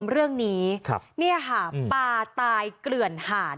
เรื่องนี้เนี่ยค่ะปลาตายเกลื่อนหาด